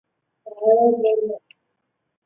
无饰蚤缀